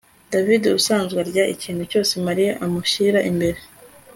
davide ubusanzwe arya ikintu cyose mariya amushyira imbere